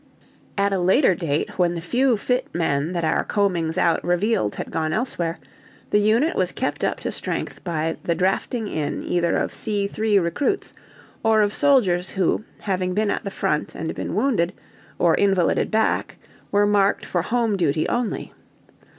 At a later date, when the few fit men that our combings out revealed had gone elsewhere, the unit was kept up to strength by the drafting in either of C3 recruits or of soldiers who, having been at the front and been wounded, or invalided back, were marked for home duty only.